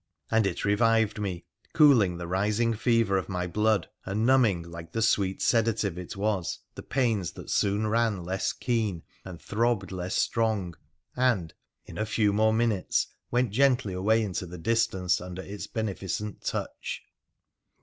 And it revived me, cooling the rising fever of my blood, and numbing, like the sweet sedative it was, the pains, that soon ran less keen and throbbed less strcng and, in a few more PHRA THE PIICENICIAN 257 minutes, went gently away into the distance under its benefi cent touch.